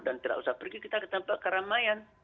dan tidak usah pergi kita ke tempat keramaian